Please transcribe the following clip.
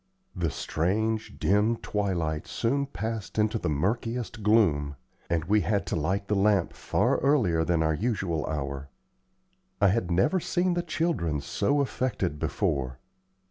The strange, dim twilight soon passed into the murkiest gloom, and we had to light the lamp far earlier than our usual hour. I had never seen the children so affected before.